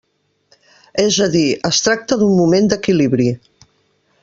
És a dir, es tracta d'un moment d'equilibri.